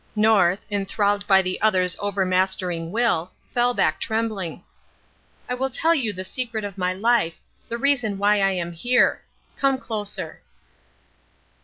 North, enthralled by the other's overmastering will, fell back trembling. "I will tell you the secret of my life, the reason why I am here. Come closer."